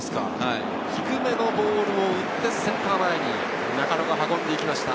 低めのボールを打ってセンター前に運んでいきました。